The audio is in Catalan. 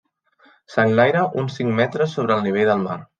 S'enlaira uns cinc metres sobre el nivell del mar.